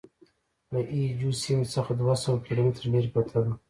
له اي جو سیمې څخه دوه سوه کیلومتره لرې پرته ده.